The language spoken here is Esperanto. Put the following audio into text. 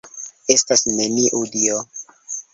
Estas neniu Dio!